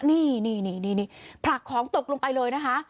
นี่ผลักของตกลงไปเลยนะคะ